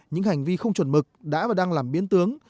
những hành vi không chuẩn mực đã và đang làm biến tướng